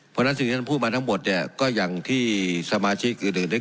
เพราะฉะนั้นสิ่งที่ท่านพูดมาทั้งหมดเนี่ยก็อย่างที่สมาชิกอื่นได้